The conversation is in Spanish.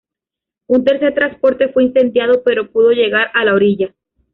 Un tercer transporte fue incendiado pero pudo llegar a la orilla.